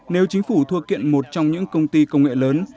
nếu chính phủ thua kiện một trong những công ty công nghệ lớn